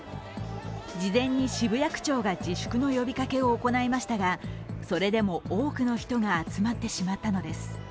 事前に渋谷区長が自粛の呼びかけを行いましたが、それでも多くの人が集まってしまったのです。